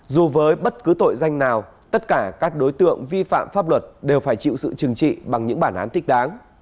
dù với bất cứ tội danh nào tất cả các đối tượng vi phạm pháp luật đều phải chịu sự trừng trị bằng những bản án thích đáng